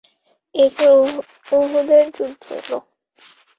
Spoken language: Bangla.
এরপর উহুদের যুদ্ধ এল।